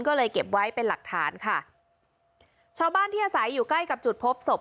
ก็เลยเก็บไว้เป็นหลักฐานค่ะชาวบ้านที่อาศัยอยู่ใกล้กับจุดพบศพ